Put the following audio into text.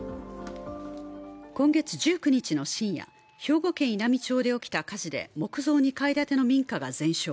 今月１９日の深夜兵庫県稲美町で起きた火事で木造２階建ての民家が全焼。